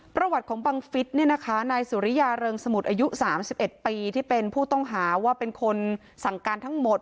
ประวัติของบังฟิศเนี่ยนะคะนายสุริยาเริงสมุทรอายุ๓๑ปีที่เป็นผู้ต้องหาว่าเป็นคนสั่งการทั้งหมด